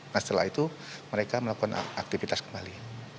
nah setelah itu mereka melakukan aktivitas kembali